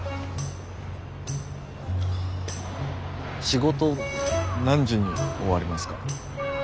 仕事何時に終わりますか？